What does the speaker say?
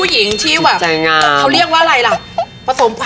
เห็นปะ